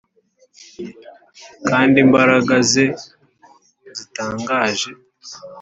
Kand’ imbaraga ze zitangaje,